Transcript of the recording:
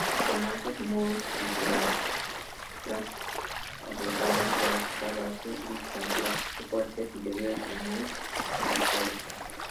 Con altos muros y pilastras adosadas de alta base y contrafuertes interiores muy marcados.